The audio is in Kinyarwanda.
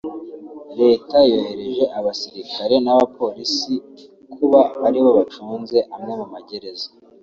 Leta yohereje abasirikare n’abapolisi kuba aribo bacunze amwe mu magereza